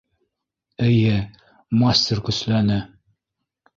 Эйе, мастер көсләне...